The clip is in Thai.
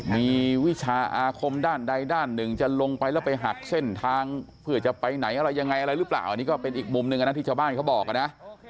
มีวิชาอาคมด้านใดด้านหนึ่งจะลงไปแล้วไปหักเส้นทางเพื่อจะไปไหนอะไรยังไงอะไรหรือเปล่าอันนี้ก็เป็นอีกมุมหนึ่งนะที่ชาวบ้านเขาบอกนะ